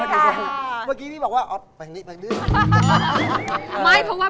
เมื่อกี้นี่บอกว่าเอาแบบนี้เมื่อกี้มันดู